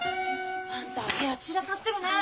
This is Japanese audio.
あんた部屋ちらかってるね？